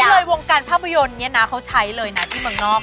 คือเลยวงการภาพยนตร์เนี่ยนะเขาใช้เลยนะที่เมืองนอก